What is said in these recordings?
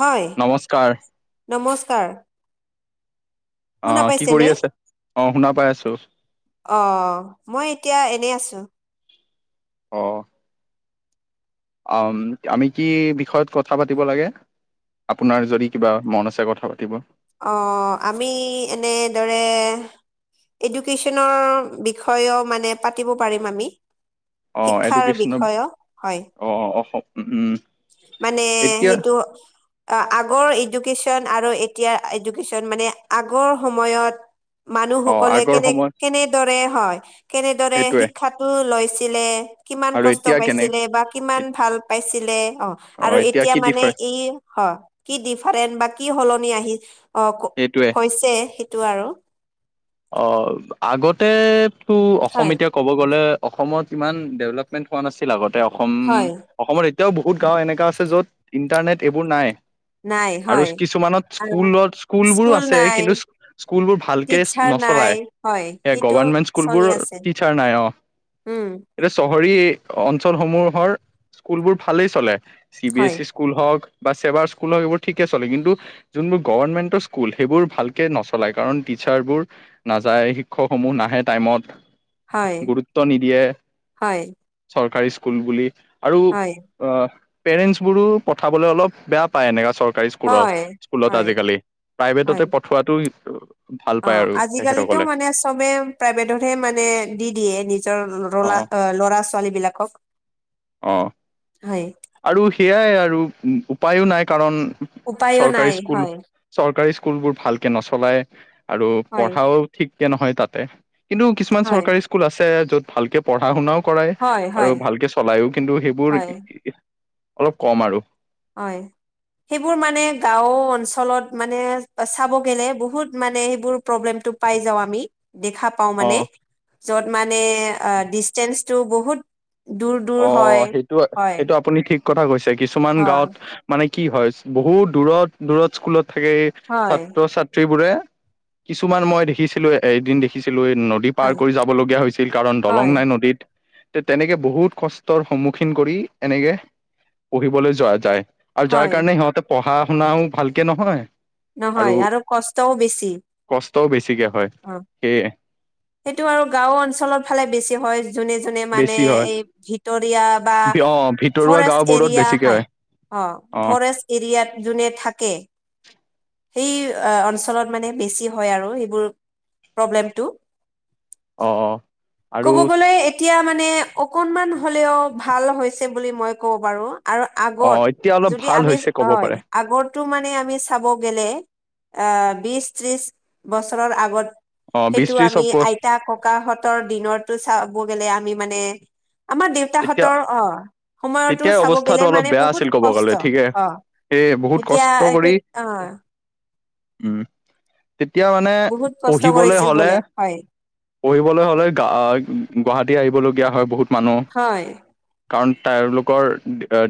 হয় নমস্কাৰ নমস্কাৰ অ শুনা কি পাইছেনে? কৰি আছে অ শুনা পাই আছো অ মই এতিয়া এনেই আছো অ অ আমি কি বিষয়ত কথা পাতিব লাগে আপোনাৰ যদি কিবা মন আছে কথা পাতিব অ আমি এনেদৰে এডুকেশ্যনৰ বিষয়েও মানে পাতিব পাৰিম আমি শিক্ষাৰ এডুকেশ্যনৰ বিষয় হয় অ অ অসম উম মানে এতিয়া সেইটো আগৰ এডুকেশ্যন আৰু এতিয়া এডুকেশ্যন মানে আগৰ সময়ত অ মানুহসকলে আগৰ কেনে সময়ত কেনেদৰে হয় কেনেদৰে সেইটোৱে শিক্ষাটো লৈছিলে কিমান আৰু কষ্ট এতিয়া কেনে পাইছিলে বা কিমান ভাল পাইছিলে অ অ আৰু এতিয়া কি মানে ডিফাৰেন্স ই হয় কি ডিফাৰেন্ট বা কি সলনি আহি অ এইটোৱে হৈছে সেইটো আৰু অ আগতেতো অসম হয় এতিয়া ক'ব গ'লে অসমত ইমান ডেভলপ মেন হোৱা নাছিল আগতে অসম হয় অসমত এতিয়াও বহুত গাওঁ এনেকা আছে য'ত ইণ্টাৰনেট এইবোৰ নাই নাই আৰু হয় কিছুমানত আৰু স্কুলত স্কুলবোৰো স্কুল আছে নাই কিন্তু, স্কুলবোৰ ভালকে টিচাৰ নাই চলাই, হয় সেইটো গভৰ্মেণ্ট চলি স্কুলবোৰ আছে টিচাৰ নাই অ'। উম এতিয়া চহৰী অঞ্চলসমূহৰ স্কুলবোৰ ভালেই চলে, চি বি এ হয় ছি ই স্কুল হওক, বা চছেবাৰ স্কুল হওক এইবোৰ ঠিকেই চলে, কিন্তু যোনবোৰ গভৰ্ণমেন্টৰ স্কুল সেইবোৰ ভালকে নচলায় কাৰণ, টিচাৰবোৰ নাযায় শিক্ষকসমূহ নাহে টাইমত হয় গুৰুত্ব নিদিয়ে। হয় চৰকাৰী স্কুল বুলি আৰু হয় পেৰেণ্টছবোৰো পঠাবলৈ অলপ বেয়া পায় এনেকা চৰকাৰী স্কুলত হয়, স্কুলত হয়, আজিকালি, হয়, প্ৰাইভেটতে পঠোৱাটো ভাল পায় অ', আৰু। আজিকালিতো তেখেতসকলে মানে চবে প্ৰাইভেটতহে মানে দি দিয়ে নিজৰ অ ল'ৰা ল'ৰা-ছোৱালী বিলাকক। অ'। হয়। আৰু সেইয়াই আৰু উপায়ো নাই কাৰণ, উপায়ো চৰকাৰী নাই স্কুল হয়, চৰকাৰী স্কুলবোৰ ভালকে নচলাই, আৰু হয়, পঢ়াও ঠিককে নহয় তাতে, কিন্তু কিছুমান হয়, চৰকাৰী স্কুল আছে য'ত ভালকৈ পঢ়া শুনাও কৰাই হয়, হয়, আৰু ভালকে চলাইও কিন্তু, সেইবোৰ হয়, অলপ কম আৰু। হয়। সেইবোৰ মানে গাঁও অঞ্চলত মানে চাব গেলে বহুত মানে সেইবোৰ প্ৰব্লেমটো পাই যাওঁ আমি, দেখা পাওঁ অ মানে, য'ত মানে ডিচটেন্সটো বহুত দূৰ দূৰ হয়, অ', সেইটো হয়, সেইটো আপুনি ঠিক কথা কৈছে। কিছুমান গাঁৱত অ', মানে কি হয়, বহুত দূৰত দূৰত স্কুলত থাকে। হয়, ছাত্ৰ-ছাত্ৰী বোৰে কিছুমান মই দেখিছিলোঁ এদিন দেখিছিলো নদী দী পাৰ হয়, কৰি যাবলগীয়া হৈছিল কাৰণ হয়, নাই নদীত। তে তেনেকে বহুত কষ্টৰ সন্মুখীন কৰি এনেকে পঢ়িবলৈ যোৱা যায়। আৰু যাৰ হয়। কাৰণে সিহঁতে পঢ়া-শুনাও ভালকে নহয়। আৰু নহয় কষ্টও বেছি কষ্টও বেছিকে হয়, অ সেয়ে সেইটো আৰু গাঁও অঞ্চলৰ ফালে বেছি হয়। যোনে যোনে মানে বেছি হয় এই ভিতৰিয়া বা অ ভিতৰুৱা ফৰেষ্ট গাওবোৰত এৰিয়া বেছিকে হয়, অ', ফৰেষ্ট এৰিয়াত যোনে থাকে। সেই অঞ্চলত মানে বেছি হয় আৰু সেইবোৰ প্ৰব্লেমটো। অ অ আৰু ক'ব গ'লে এতিয়া মানে অকনমান হ'লেও ভাল হৈছে বুলি মই ক'ব পাৰোঁ। আৰু অ আগত এতিয়া অলপ যদি ভাল আমি, হৈছে ক'ব হয়। পাৰে আগৰতো মানে আমি চাব গ'লে বিশ ত্ৰিশ বছৰৰ আগত অ বিশ সেইটো ত্ৰিশ আমি অপচ আইতা ককাহঁতৰ দিনৰটো চাব গ'লে আমি মানে আমাৰ তেতিয়া দেউতাহঁতৰ অ' সময়ৰতো তেতিয়াই চাব গ'লে অৱস্থাটো অলপ মানে বেয়া বহুত আছিল ক'ব কষ্ট, গ'লে ঠিকে অ'। এ বহুত এতিয়া কষ্ট এইটো কৰি অ'। উম, তেতিয়া মানে বহুত কষ্ট পঢ়িবলৈ কৰিছিল হ'লে বোলে হয় পঢ়িবলৈ হ'লে গুৱাহাটী আহিবলগীয়া হয় বহুত মানুহ। হয়। কাৰণ তেওঁলোকৰ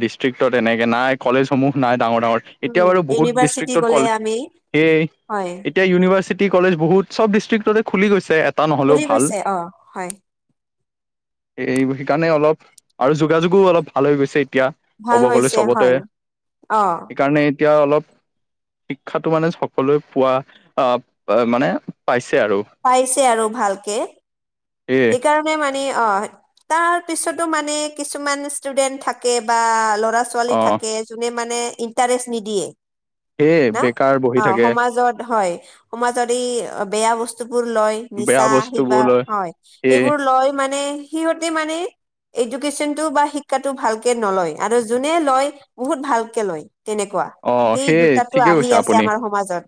ডিষ্ট্ৰিক্টত এনেকৈ নাই কলেজসমূহ নাই ডাঙৰ ডাঙৰ। এতিয়া উম বাৰু বহুত ইউনিভাৰ্চিটি ডিষ্ট্ৰিক্টত গ'লে আমি কলেজেই হয় এতিয়া ইউনিভাৰ্চিটি কলেজ বহুত চব ডিষ্ট্ৰিক্টতে খুলি গৈছে। এ টা নহ'লেও বুলি ভাল, কৈছে অ হয় এই কাৰণে অলপ আৰু যোগাযোগো অলপ ভাল গৈছে এতিয়া। ভাল ক'ব গ'লে হৈছে চবতে হয় অ সেইকাৰণে এতিয়া অলপ শিক্ষাটো মানে সকলোৱে পোৱা আ মানে পাইছে আৰু। পাইছে আৰু ভালকে। এইয়ে। সেইকাৰণে মানে অ' হয়। তাৰ পিছতো মানে কিছুমান ষ্টুডেন্ট থাকে বা ল'ৰা ছো ৱালী অ থাকে যোনে মানে ইন্টাৰেষ্ট নিদিয়ে। সেয়ে ন, বেকাৰ বহি অ', থাকে সমাজত হয়, সমাজত এই বেয়া বস্তুবোৰ লয়। নিচা বেয়া সেই বা বস্তুবোৰ লৈ হয়, সেয়ে সেইবোৰ লয় মানে সিহঁতে মানে এডুকেশ্যনটো বা শিক্ষাটো ভালকে নলয়। আৰু যোনে লয় বহুত ভালকে লয় তেনেকুৱা, অ সেই সেয়ে দুটাতো ঠিকে আহি কৈছে আছে আপুনি আমাৰ সমাজত।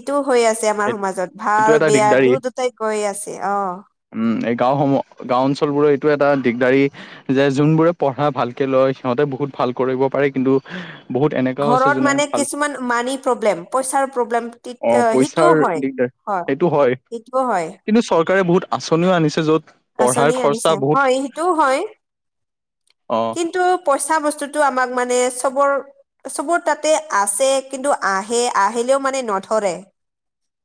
এইটোও হৈ আছে আমাৰ সমাজত, এইটো ভাল এটা বেয়া দিগদাৰী দু দুটাই কৈ আছে, অ'। উম, এই গাঁওসমূহ, গাঁও অঞ্চলবোৰৰ এইটো এটা দিগদাৰী যে যোনবোৰে পঢ়া ভালকে লয় সিহঁতে বহুত ভাল কৰিব পাৰে। কিন্তু বহুত এনে ঘৰত মানে কিছুমান মানি প্ৰব্লেম, পইচাৰ প্ৰব্লেম তে অ হি টো পইচাৰ হয়, দিগদাৰ হয়, সেইটো এইটোও হয়। কিন্তু চৰকাৰে বহুত আঁচনিও আনিছে য'ত পঢ়াৰ আঁচনি আনিছে খৰচা হয় বহুত সেইটোও হয় অ'। কিন্তু পইচা বস্তুটো আমাক মানে চবৰ চবৰ তাতে আছে কিন্তু আহে, আহিলেও মানে নধৰে।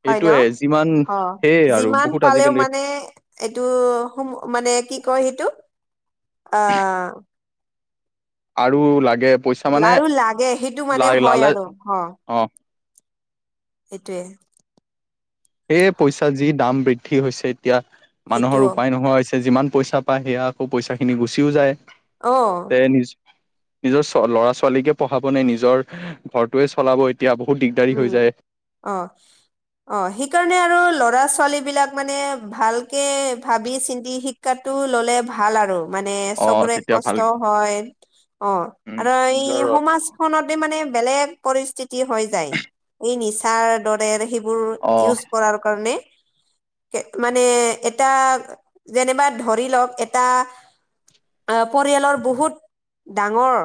হয় এইটোয়ে ন' যিমান অ' সেয়ে আৰু যিমান বহুত পালেও আজিকালি মানে এইটো সু মানে কি কয় সেইটো আ আৰু লাগে পইচা মানে আৰু লাগে সেইটো লা মানে হয় লালে আৰু অ' সেইটোৱে। সেই পইচা যি দাম বৃদ্ধি হৈছে এতিয়া, সেইটো মানুহৰ উপায় নোহোৱা হৈছে, যিমান পইচা পা সেয়া আকৌ পইচাখিনি গুচিও যায়, অ তে নিজ নিজৰ ল'ৰা ছোৱালীকে পঢ়াব নে নিজৰ ঘৰটোৱে চলাব এতিয়া বহুত দিগদাৰি উম হৈ যায়। অ'। অ' সেইকাৰণে আৰু ল'ৰা ছোৱালীবিলাক মানে ভালকে ভাবি চিন্তি শিক কাটো ল'লে ভাল আৰু। মানে অ চবৰে তেতিয়া ভাল কষ্ট হয়। অ' উম আৰু নিজৰ এই সমাজ খনতে মানে বেলেগ পৰিস্থিতি হৈ যায়। যি নিচাৰ দৰে সেইবোৰ অ ইউজ কৰাৰ কাৰণে। মানে এটা যেনিবা ধৰি লওক এটা আ, পৰিয়ালৰ বহুত ডাঙৰ,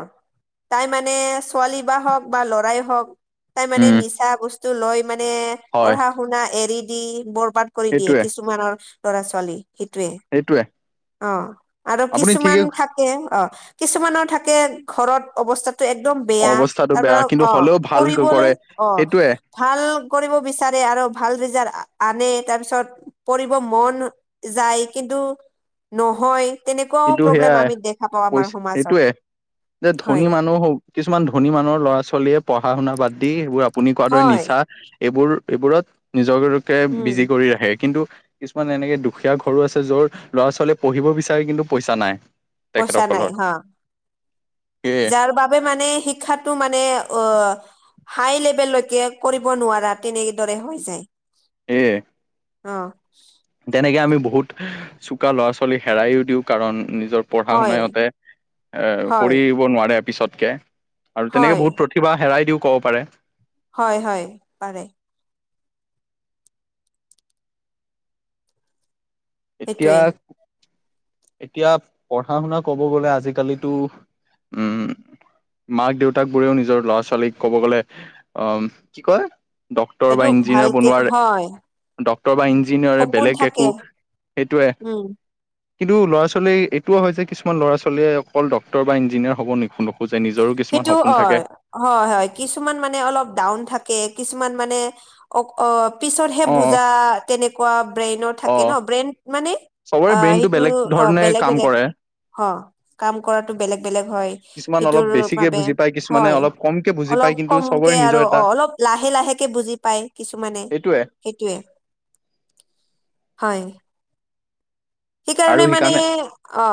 তাই মানে ছোৱালী বা হওঁক বা ল'ৰাই হওঁক তাই মানে উম নিচা বস্তু লৈ মানে হয় পঢ়া শুনা এৰি দি বৰ কৰি দিয়ে সেইটোৱে কিছুমানৰ ল'ৰা ছোৱালী সেইটোৱে। সেইটোৱে। অ' আৰু আপুনি কিছুমান ঠিকেই থাকে অ' কিছুমানৰ থাকে ঘৰত অৱস্থাত টো একদম বেয়া, অৱস্থাটো বেয়া তাৰমানে কিন্তু অ' হ'লেও ভাল কৰিবলৈ কৰে অ' সেইটোৱে ভাল কৰিব বিচাৰে আৰু ভাল ৰিজাল আনে তাৰপিছত পঢ়িব মন যায় কিন্তু নহয়। তেনেকুৱাও সেইটো প্ৰব্লেম সেয়াই আমি দেখা পাওঁ আমাৰ কৈছ, সমাজত সেইটোৱে যে হয় ধনী মানুহো কিছুমান ধনী মানুহৰ ল'ৰা ছোৱালীয়ে পঢ়া শুনা বাদ দি সেইবোৰ আপুনি কোৱাৰ দৰে হয় নিচা এইবোৰ এইবোৰত নিজৰকে উম বিজি কৰি ৰাখে কিন্তু কিছুমান এনেকে দুখীয়া ঘৰো আছে য'ৰ ল'ৰা ছোৱালীয়ে পঢ়িব বিচাৰে কিন্তু পইচা নাই। পইচা নাই তেখেতসকলৰ হ, সেয়ে যাৰ বাবে মানে শিক্ষাত টো মানে অ' হাই লেভেললৈকে কৰিব নোৱাৰা তেনেদৰে হৈ যায়। এয়ে। অ'। তেনেকে আমি বহুত চোকা ল'ৰা ছোৱালীক হেৰাইযও দিওঁ কাৰণ নিজৰ পঢ়া হয় শুনা ইহহঁতে এ, হয় কৰি আহিব নোৱাৰে পিছতকে আৰু তেনেকে হয় বহুত কিবা হেৰাই দিও ক'ব পাৰে। হয় হয়, পাৰে। এতিয়া সেইটোৱে। এতিয়া পঢ়া শুনা ক'ব গ'লে আজিকালিতো, উম। মাক দেউতাকবোৰেও নিজৰ ল'ৰা ছোৱালীক ক'ব গ'লে অ' কি কয় ডক্টৰ বা সেইটো ইঞ্জিনিয়াৰ ভালকে বনোৱাৰ, হয় ডক্টৰ বা ইঞ্জিনিয়াৰে সপোন বেলেগ থাকে একো সেইটোৱে। উম কিন্তু ল'ৰা-ছোৱালী এইটোও হয় যে কিছুমান ল'ৰা-ছোৱালীয়ে অকল ডক্তৰ বা ইঞ্জিনিয়াৰ হ'ব নি ন সেইটো অ হয় হয় কিছুমান মানে অলপ ডাউন থাকে, কিছুমান মানে অ অ পিছতহে অ বুজা তেনেকুৱা ব্ৰেইনৰ অ থাকে ন, ব্ৰেইন মানে চবৰে অ ব্ৰেইনটো সেইটো বেলেগ অ ধৰণে বেলেগ কাম বেলেগ, কৰে অ কাম কৰাটো বেলেগ বেলেগ হয়। কিছুমান অলপ সেইটোৰ বেছিকে বাবে বুজি পায় কিছুমানে হয়। অলপ কমকে বুজি অলপ পায় কিন্তু চবৰে কমকে আৰু নিজৰ এটা অ অলপ লাহে লাহেকে বুজি পাই কিছুমানে সেইটোৱে সেইটোৱে, হয়। সেইকাৰণে মানে অ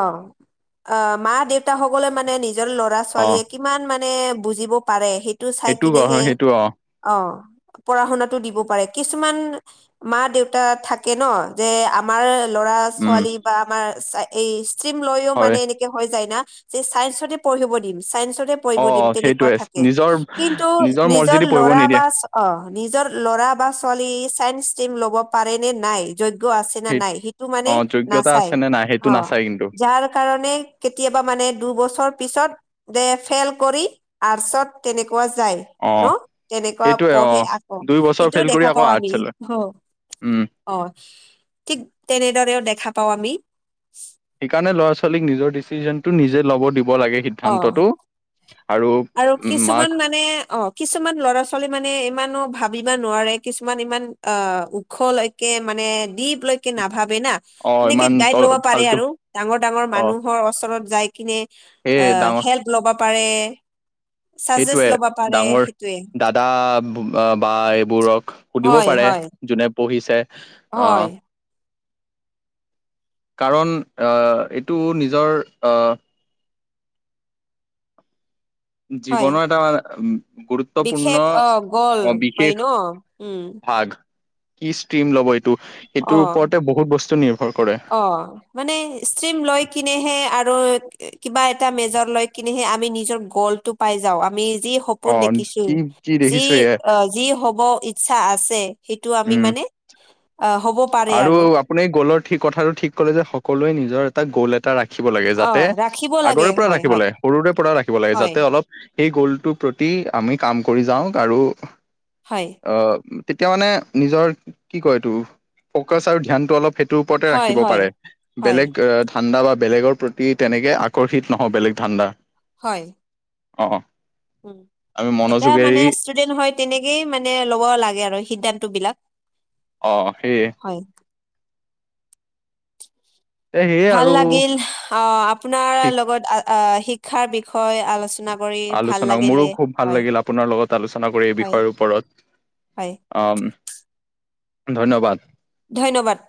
অ মা-দেউতা সকলে মানে নিজৰ ল'ৰা অ ছোৱালীয়ে কিমান মানে বুজিব পাৰে সেইটো চাই অ কিনেহে সেইটো অ অ। পঢ়া শুনাতটো দিব পাৰে। কিছুমান মা-দেউতা থাকে ন যে আমাৰ ল'ৰা উম ছোৱালী বা আমাৰ এই ষ্ট্ৰীম লৈও হয় মানে এনে হৈ যায় না, যে চায়ন্সতে পঢ়িব দিম চায়ন্সতে পঢ়়িব অ দিম তেনেকুৱা সেইটোৱে থাকে, নিজৰ কিন্তু নিজৰ মৰ্জিদি পঢ়িব ল'ৰা নিদিয়ে বা অ নিজৰ ল'ৰা বা ছোৱালী চাইন্স ষ্ট্ৰীম ল'ব পাৰে নে নাই যোগ আছে নে সেই নাই সেইটো মানে অ যোগ্যতা নাচাই আছে নে নাই সেইটো অ, নাচাই কিন্তু যাৰ কাৰণে কেতিয়াবা মানে দুবছৰ পিছত দে ফেইল কৰি আৰ্টচত তেনেকুৱা যায়। অ ন তেনেকুৱা সেইটোৱে অ পঢ়ে আকৌ দুই বছৰ সেইটোও ফেইল কৰি দেখা আকৌ পাওঁ আমি। আৰ্টচ লয় উম অ ঠিক তেনেদৰেও দেখা পাও আমি। সেইকাৰণে ল'ৰা-ছোৱালীক নিজৰ ডিচিজননটো নিজে ল'ব দিব লাগে অ সিদ্ধান্তটো। আৰু উম মাক কিছুমান মানে অ কিছুমান ল'ৰা-ছোৱালী মানে ইমানো ভাবিব নোৱাৰে, কিছুমান ইমান অ খলৈকে মানে দিপ লৈকে নাভাবে না। অ এনেকে ইমান ত গাইড লব পাৰে ভালকে আৰু ডাঙৰ ডাঙৰ অ মানুহৰ ওচৰত যাই কিনে সেই আহ ডাঙৰ হেল্প লবা পাৰে চাজেষ্ট সেইটোৱে ল'ব পাৰে ডাঙৰ সেইটোৱে দাদা বা এইবোৰক সুধিব হয় পাৰে হয় যোনে পঢ়িছে হয় আহ কাৰণ অ এইটো নিজৰ অ হয় জীৱনৰ এটা গুৰুত্বপূৰ্ণ বিশেষ অ গ'ল অ হয় ন বিশেষ উম ভাগ। কি ষ্ট্ৰিম ল'ব এইটো, সেইটোৰ অ ওপৰতে বহুত বস্তু নিৰ্ভৰ কৰে। অ মানে ষ্ট্ৰীম লৈ কিনেহে আৰু কিবা এটা মেজৰ লৈ কিনেহে আমি নিজৰ গ'ল টো পাই যাওঁ আমি যি সপোন অ দেখিছো কি কি যি দেখিছো এয়া অ যি হ'ব ইচ্ছা আছে সেইটো আমি উম মানে আহ হ'ব আৰু আপুনি গোলৰ কথাটো ঠিক কলে যে সকলোৱে নিজৰ এটা গোল এটা এটা ৰাখিব লাগে অ যাতে ৰাখিব লাগে আগৰে পৰা হয় ৰাখিব হয় লাগে সৰুৰে পৰা ৰাখিব লাগে হয় যাতে অলপ সেই গোলটোৰ প্ৰতি আমি কাম কৰি যাও আৰু হয়। অ তেতিয়া মানে নিজৰ কি কয় এইটো ফকাচ আৰু ধ্যানটো অলপ ত ওপৰতে হয় ৰাখিব হয় পাৰে হয় বেলেগ ধাণ্ডা বা বেলেগৰ প্ৰতি তেনেকৈ আকৰ্ষিত নহওঁ বেলেগ ধাণ্ডা। হয়। উ আমি এটা মানে মনোযোগেৰি ষ্টুডেন্ট হয় তেনেকেই মানে ল'ব লাগে আৰু সিদ্ধান্ত বিলাক। অ', সেইয়ে হয়। এ সেয়ে ভাল আৰু লাগিল আহ, আপোনাৰ ঠিক লগত আহ, শিক্ষাৰ বিষয়ে আলোচনা কৰি ভাল আলোচনা, লাগিলে মোৰো খুব ভাল হয় লাগিল আপোনাৰ লগত আলোচনা কৰি এই হয় বিষয়ৰ ওপৰত। হয় অম, ধন্যবাদ। ধন্যবাদ।